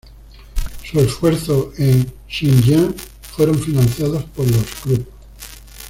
Sus esfuerzos en Xinjiang fueron financiados por los Krupp.